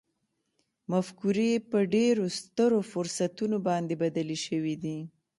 مفکورې په ډېرو سترو فرصتونو باندې بدلې شوې دي